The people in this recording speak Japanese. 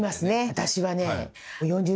私はね。